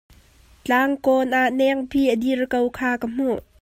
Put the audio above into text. Tlang kawn ah nengpi a dir ko kha ka hmuh.